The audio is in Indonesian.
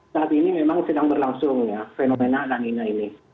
saat ini memang sedang berlangsung ya fenomena lanina ini